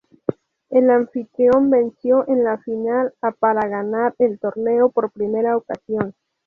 El anfitrión venció en la final a para ganar el torneo por primera ocasión.